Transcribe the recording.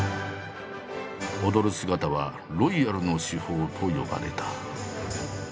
踊る姿は「ロイヤルの至宝」と呼ばれた。